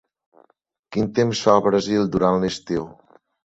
Quin temps fa al Brasil durant l'estiu?